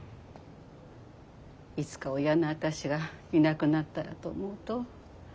いつか親の私がいなくなったらと思うと。